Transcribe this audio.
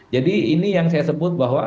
jadi ini yang saya sebut bahwa